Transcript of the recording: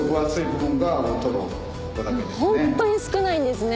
ホントに少ないんですね。